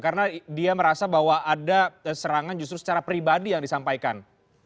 karena dia merasa bahwa ada serangan justru secara pribadi yang disampaikan